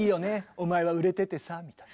お前は売れててさ」みたいな。